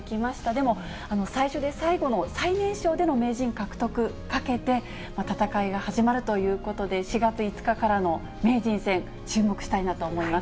でも、最初で最後の最年少での名人獲得かけて戦いが始まるということで、４月５日からの名人戦、注目したいなと思います。